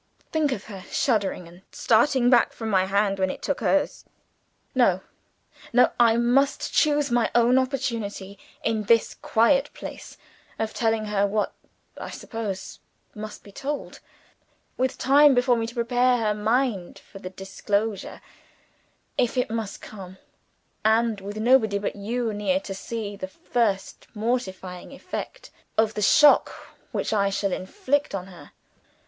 Think of her shuddering and starting back from my hand when it took hers! No! no! I must choose my own opportunity, in this quiet place, of telling her what (I suppose) must be told with time before me to prepare her mind for the disclosure (if it must come), and with nobody but you near to see the first mortifying effect of the shock which I shall inflict on her.